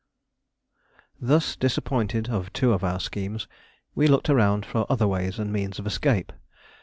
Thus disappointed of two of our schemes, we looked around for other ways and means of escape.